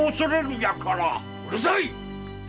うるさい！